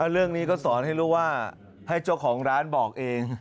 เรื่องนี้ก็สอนให้รู้ว่าให้เจ้าของร้านบอกเอง